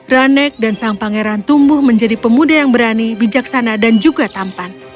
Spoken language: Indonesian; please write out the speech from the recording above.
rane dan sang pangeran tumbuh menjadi pemuda yang berani bijaksana dan juga tampan